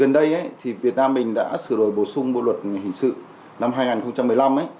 gần đây thì việt nam mình đã sửa đổi bổ sung bộ luật hình sự năm hai nghìn một mươi năm